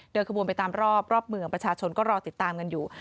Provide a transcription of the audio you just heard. ขบวนไปตามรอบรอบเมืองประชาชนก็รอติดตามกันอยู่